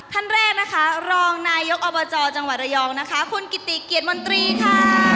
ท่านแรกนะคะรองนายกอบจจังหวัดระยองนะคะคุณกิติเกียรติมนตรีค่ะ